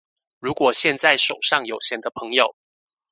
如果現在手上有閒的朋友